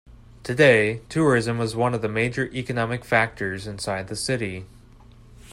Today, tourism is one of the major economic factors inside the city.